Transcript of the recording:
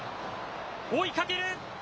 追いかける。